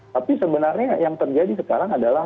tapi sebenarnya yang terjadi sekarang adalah